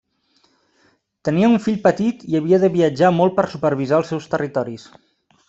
Tenia un fill petit i havia de viatjar molt per supervisar els seus territoris.